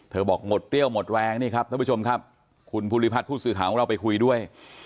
บอกหมดเปรี้ยวหมดแรงนี่ครับท่านผู้ชมครับคุณภูริพัฒน์ผู้สื่อข่าวของเราไปคุยด้วย